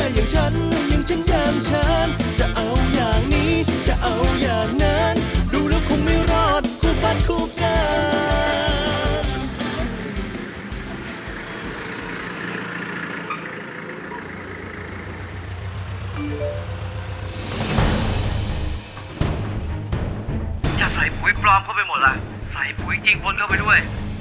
อย่าใส่ภูมิปลอมเข้าไปหมดล่ะใส่ภูมิจริงบนเข้าไปด้วย